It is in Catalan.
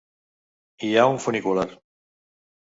Hi ha un funicular.